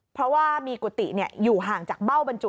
เพราะว่ามีกุฏิอยู่ห่างจากเบ้าบรรจุ